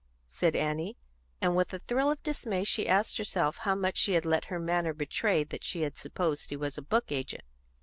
said Annie, and with a thrill of dismay she asked herself how much she had let her manner betray that she had supposed he was a book agent.